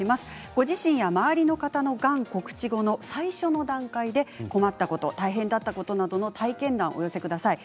ご自身や周りの方のがん告知後の最初の段階で困ったこと、大変だったことなどの体験談をお寄せください。